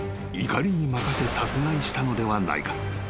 ［怒りに任せ殺害したのではないか？］